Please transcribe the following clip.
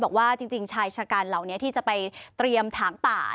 บอกว่าจริงชายชะกันเหล่านี้ที่จะไปเตรียมถางป่า